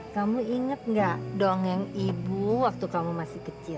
kamu inget gak dong yang ibu waktu kamu masih kecil